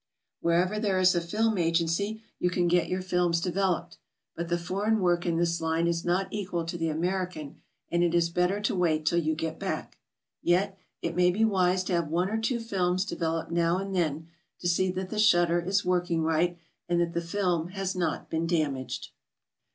Wherever there is a film agency, you can get your films developed, but the foreign work in this line is not equal to the American, and it is better to wait till you get back. Yet, 208 GOING ABROAD? it may be wise to have one or two films developed now and then, to see that the shutter is working right and that the film has not beeen damaged.